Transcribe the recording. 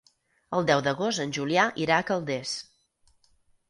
El deu d'agost en Julià irà a Calders.